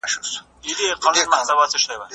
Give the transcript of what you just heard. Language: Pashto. تاسو به د لوبې په بڼه ټایپنګ زده کړئ.